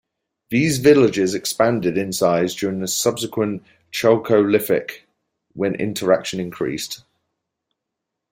These villages expanded in size during the subsequent Chalcolithic, when interaction increased.